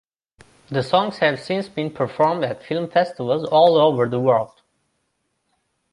The songs have since been performed at film festivals all over the world.